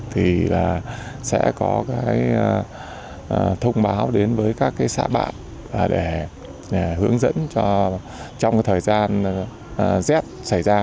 thì sẽ có thông báo đến với các xã bạn để hướng dẫn cho trong thời gian rét xảy ra